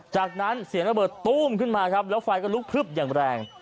จากนั้นเสียงระเบิดตู้มขึ้นมาครับแล้วไฟก็ลุกพลึบอย่างแรง